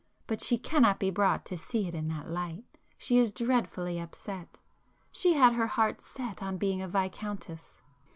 But she cannot be brought to see it in that light,—she is dreadfully upset. She had set her heart on being a Viscountess."